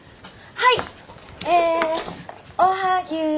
はい。